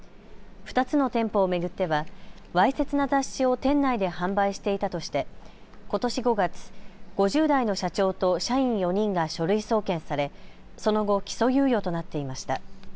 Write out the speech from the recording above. ２つの店舗を巡ってはわいせつな雑誌を店内で販売していたとしてことし５月、５０代の社長と社員４人が書類送検されその後、起訴猶予となっていました。